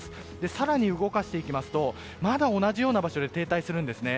更に動かしていっても同じような場所に停滞するんですね。